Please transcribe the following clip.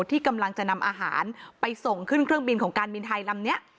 ที่กำลังจะนำอาหารไปส่งขึ้นเครื่องบินของการบินไทยลำนี้